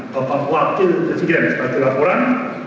bapak wakil desikian sebagai laporan